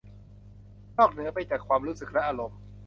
นอกเหนือไปจากความรู้สึกและอารมณ์